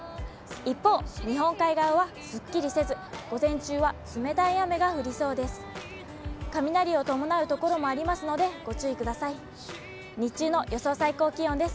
一方、日本海側はすっきりせず、午前中は冷たい雨が降りそうです。